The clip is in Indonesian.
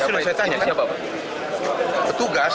sudah saya tanya kan petugas